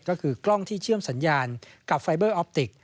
ก็คือกล้องที่เชื่อมสัญญาณกับไฟเบอร์ออปติก